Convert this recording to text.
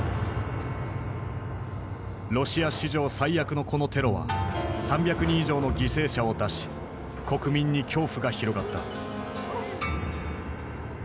ロシア史上最悪のこのテロは３００人以上の犠牲者を出し国民に恐怖が広がった。